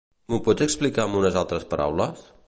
M'ho pots explicar amb unes altres paraules?